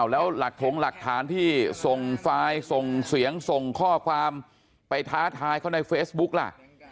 แล้วหลักถงหลักฐานที่ส่งไฟล์ส่งเสียงส่งข้อความไปท้าทายเขาในเฟซบุ๊กล่ะ